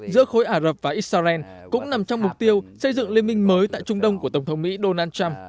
giữa khối ả rập và israel cũng nằm trong mục tiêu xây dựng liên minh mới tại trung đông của tổng thống mỹ donald trump